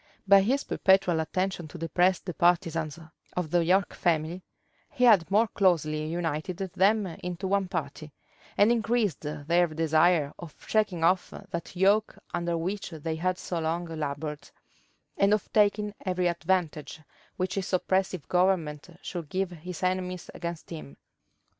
By his perpetual attention to depress the partisans of the York family, he had more closely united them into one party, and increased their desire of shaking off that yoke under which they had so long labored, and of taking every advantage which his oppressive government should give his enemies against him.